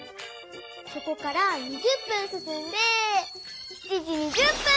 そこから２０分すすんで７時２０分！